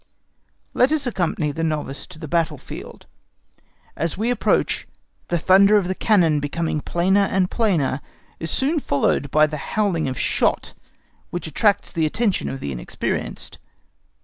Let us accompany the novice to the battle field. As we approach, the thunder of the cannon becoming plainer and plainer is soon followed by the howling of shot, which attracts the attention of the inexperienced.